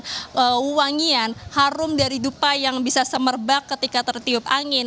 lalu kemudian juga terkait dengan uangian harum dari dupa yang bisa semerbak ketika tertiup angin